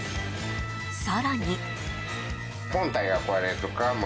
更に。